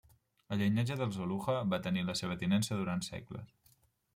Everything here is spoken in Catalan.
El llinatge dels Oluja va tenir la seva tinença durant segles.